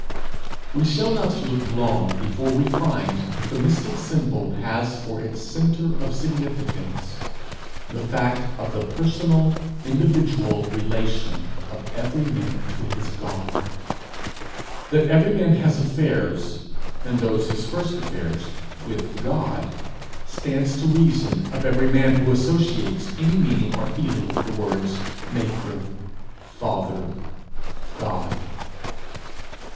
We shall not look long before we find that the mystic symbol has for its centre of significance the fact of the personal individual relation of every man to his God. That every man has affairs, and those his first affairs, with God, stands to the reason of every man who associates any meaning or feeling with the words, Maker, Father, God.